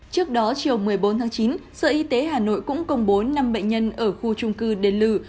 trước đó chiều một mươi bốn tháng chín sở y tế hà nội cũng công bố năm bệnh nhân ở khu trung cư đền lử